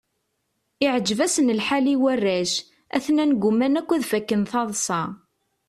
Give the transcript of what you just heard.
Iɛǧeb-asen lḥal i warrac, atnan gguman akk ad fakken taḍsa.